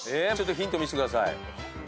ヒント見せてください。